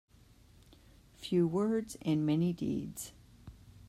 Few words and many deeds.